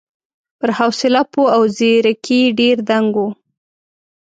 پر حوصله، پوهه او ځېرکۍ ډېر دنګ و.